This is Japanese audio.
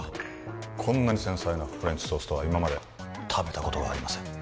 こんなに繊細なフレンチトーストは今まで食べたことがありません